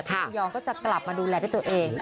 คุณยองก็จะกลับมาดูแลด้วยตัวเอง